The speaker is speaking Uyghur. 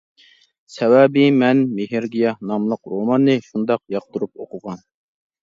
سەۋەبى : مەن «مېھرىگىياھ» ناملىق روماننى شۇنداق ياقتۇرۇپ ئوقۇغان.